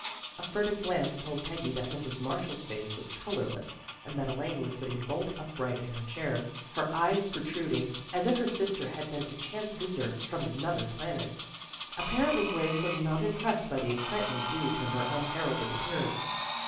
A furtive glance told Peggy that Mrs. Marshall's face was colorless, and that Elaine was sitting bolt upright in her chair, her eyes protruding, as if her sister had been a chance visitor from another planet. Apparently Grace was not impressed by the excitement due to her unheralded appear ance.